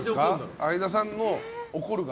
相田さんの怒るは。